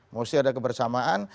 mesti ada kebersamaan